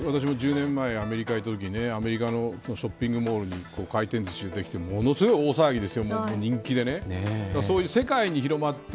これ私も１０年前、アメリカにいたときにアメリカのショッピングモールに回転ずしができてものすごい大騒ぎですよ